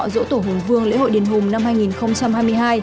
dỗ tổ hùng vương lễ hội đền hùng năm hai nghìn hai mươi hai